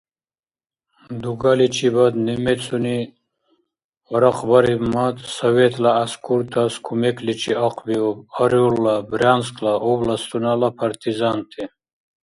Дугаличибад немецуни гьарахъбарибмад, советла гӀяскуртас кумекличи ахъбиуб Орелла, Брянскла областунала партизанти.